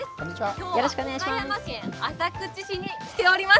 きょうは岡山県浅口市に来ております。